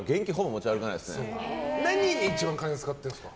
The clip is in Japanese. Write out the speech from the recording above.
何に一番金使ってるんですか？